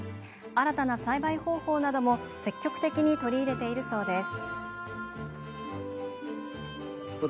新たな栽培方法なども積極的に取り入れているそうです。